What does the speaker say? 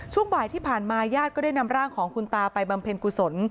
ช่วงบ่ายที่ผ่านมาญาติก็ได้นำร่างของคุณตาไปบำเพ็ญกุศล